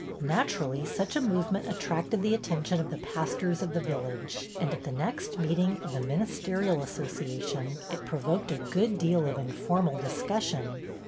Naturally, such a movement attracted the attention of the pastors of the village, and at the next meet ing of the Ministerial Association it pro voked a good deal of informal discussion.